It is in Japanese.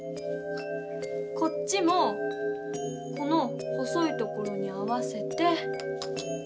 こっちもこの細いところに合わせて。